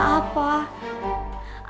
ya ampun ma demi allah